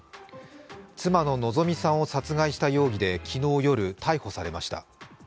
妻の希美さんを殺害した容疑で、昨日夜、逮捕されました。